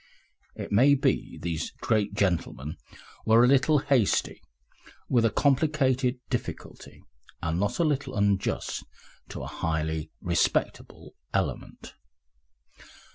It may be these great gentlemen were a little hasty with a complicated difficulty, and not a little unjust to a highly respectable element.